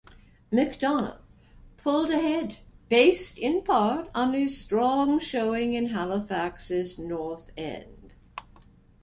McDonough pulled ahead based in part on a strong showing in Halifax's North End.